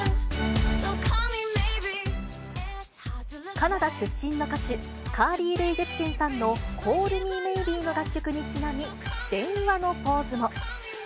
カナダ出身の歌手、カーリー・レイ・ジェプセンさんのＣａｌｌＭｅＭａｙｂｅの楽曲にちなみ、電話のポーズも。